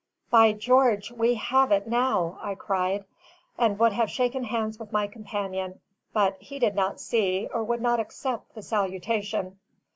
"By George, we have it now!" I cried, and would have shaken hands with my companion; but he did not see, or would not accept, the salutation.